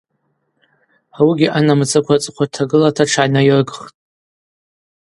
Ауыгьи анамыцаква рцӏыхъва дтагылата тшгӏанайрыгхтӏ.